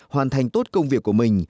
hoàn thành tốt công việc của mình